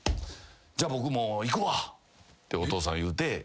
「じゃ僕もう行くわ」ってお父さん言うて。